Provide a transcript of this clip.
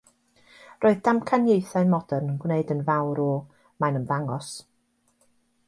Roedd damcaniaethau modern yn gwneud yn fawr o "mae'n ymddangos".